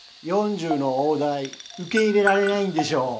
４０の大台受け入れられないんでしょ？